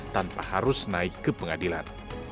tanpa harus naik ke pengadilan